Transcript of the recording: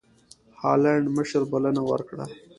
هالنډ مشر بلنه ورکړه.